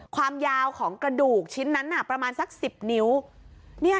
ความยาวของกระดูกชิ้นนั้นน่ะประมาณสัก๑๐นิ้ว